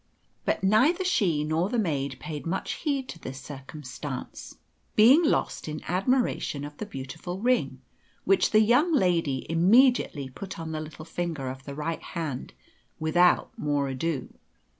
But neither she nor the maid paid much heed to this circumstance, being lost in admiration of the beautiful ring, which the young lady immediately put on the little finger of the right hand without more ado.